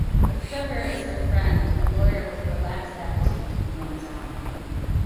Lafever is their friend, a lawyer with a relaxed attitude to the goings on.